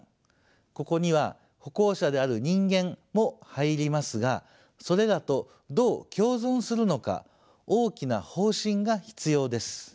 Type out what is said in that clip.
ここには歩行者である人間も入りますがそれらとどう共存するのか大きな方針が必要です。